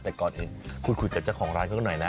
แต่ก่อนอื่นคุยกับเจ้าของร้านเขาก็หน่อยนะ